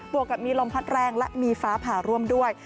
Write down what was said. วกกับมีลมพัดแรงและมีฟ้าผ่าร่วมด้วย